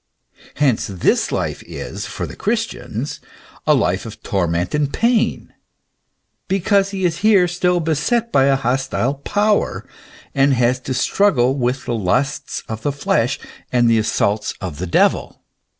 Hence this life is, for the Christian, a life of torment and pain, because he is here still beset by a hostile power, and has to struggle with the lusts of the flesh and the assaults of the devil.